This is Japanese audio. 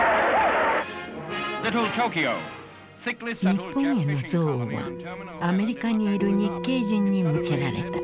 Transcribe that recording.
日本への憎悪はアメリカにいる日系人に向けられた。